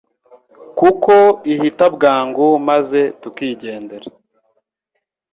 kuko ihita bwangu maze tukigendera